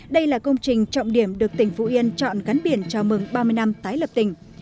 đây là công trình trọng điểm được tỉnh vũ yên chọn gắn biển chào mừng ba mươi năm tái lập tỉnh